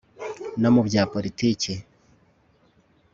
no mu bya politiki